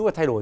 và thay đổi